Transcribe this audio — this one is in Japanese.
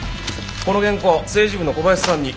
この原稿政治部の小林さんに。